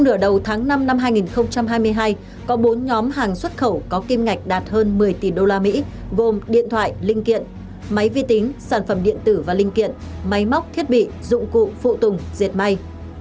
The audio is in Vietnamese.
nửa đầu tháng năm năm hai nghìn hai mươi hai có bốn nhóm hàng xuất khẩu có kim ngạch đạt hơn một mươi tỷ usd gồm điện thoại linh kiện máy vi tính sản phẩm điện tử và linh kiện máy móc thiết bị dụng cụ phụ tùng diệt may